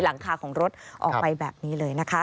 หลังคาของรถออกไปแบบนี้เลยนะคะ